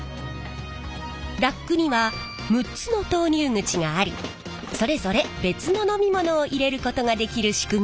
ラックには６つの投入口がありそれぞれ別の飲み物を入れることができる仕組みになっています。